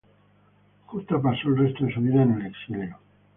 Jutta pasó el resto de su vida en el exilio.